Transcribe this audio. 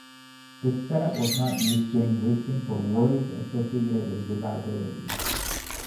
This setup was not used during racing for worries associated with reliability.